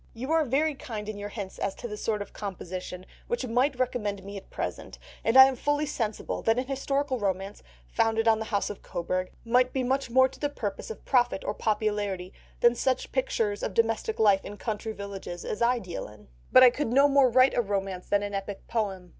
"You are very kind in your hints as to the sort of composition which might recommend me at present, and I am fully sensible that an historical romance, founded on the House of Cobourg, might be much more to the purpose of profit or popularity than such pictures of domestic life in country villages as I deal in. But I could no more write a romance than an epic poem.